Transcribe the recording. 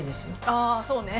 ああそうね。